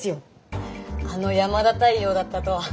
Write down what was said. あの山田太陽だったとは。